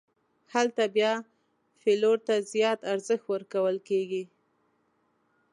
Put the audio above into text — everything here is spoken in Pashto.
هلته بیا فلېور ته زیات ارزښت ورکول کېږي.